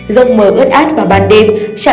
dông mờ ướt át vào ban đêm